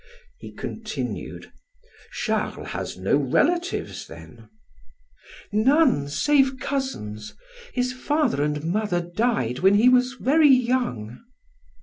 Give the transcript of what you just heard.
He continued; "Charles has no relatives then?" "None, save cousins. His father and mother died when he was very young."